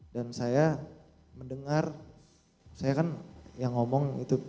dan saya mendengar saya kan yang ngomong itu